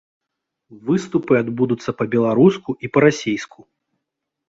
Выступы адбудуцца па-беларуску і па-расейску.